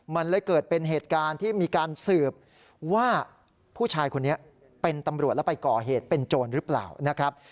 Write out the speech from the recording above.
มันเลยเกิดเป็นเหตุการณ์ที่มีการสืบว่าผู้ชายคนนี้เป็นตำรวจแล้วไปก่อเหตุเป็นโจรหรือเปล่านะครับ